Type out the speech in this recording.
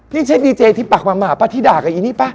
นี่ใช่ดีเจที่ปากหมาปะที่ด่ากับอีนี่ปะ